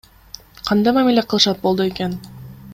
Кандай мамиле кылышат болду экен?